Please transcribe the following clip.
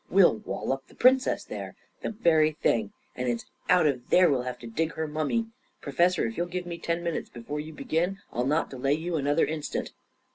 " We'll wall up the Princess there I The very thing ! And it's out of there we'll have to dig her mummy. Professor, if you'll give me ten minutes before you begin, I'll not delay you another instant."